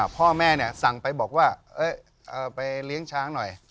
พ่อแม่สั่งไปบอกว่าไปเลี้ยงช้างหน่อย